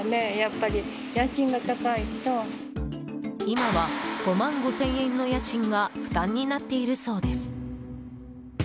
今は５万５０００円の家賃が負担になっているそうです。